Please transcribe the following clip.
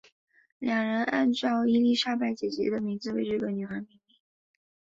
两人按照伊丽莎白姐姐的名字为这个女儿命名为。